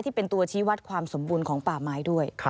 ที่เป็นตัวชี้วัดความสมบูรณ์ของป่าไม้ด้วย